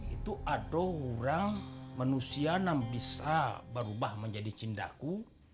itu ada orang manusia yang bisa berubah menjadi cindaku